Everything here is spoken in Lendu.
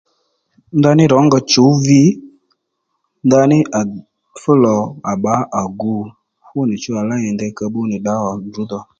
Ndaní rǒnga chǔw vi ndaní aa fúlò à bbǎ à gu fú nì chú lò léy nì ndey ka bbú nì ddǎwà ndrǔ dhò